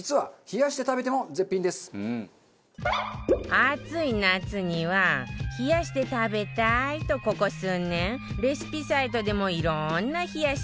暑い夏には冷やして食べたいとここ数年レシピサイトでもいろんな冷やし